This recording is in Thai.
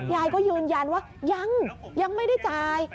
ยายก็ยืนยันว่ายังยังไม่ได้จ่าย